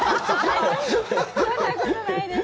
そんなことないです。